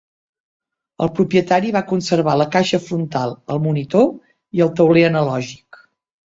El propietari va conservar la caixa frontal, el monitor i el tauler analògic.